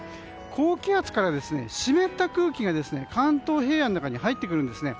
高気圧から湿った空気が関東平野に入ってくるんですね。